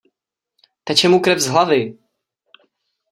Teče mu krev z hlavy!